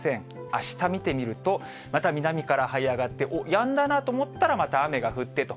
あした見てみると、また南からはい上がって、おっ、やんだなと思ったら、また雨が降ってと。